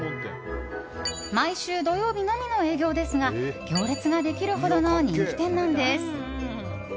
毎週土曜日のみの営業ですが行列ができるほどの人気店なんです。